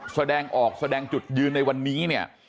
แสดงออกแสดงจุดยืนในวันนี้เนี่ย